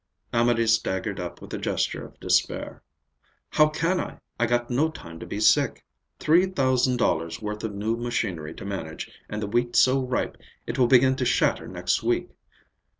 Amédée staggered up with a gesture of despair. "How can I? I got no time to be sick. Three thousand dollars' worth of new machinery to manage, and the wheat so ripe it will begin to shatter next week.